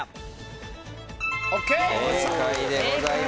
正解でございます。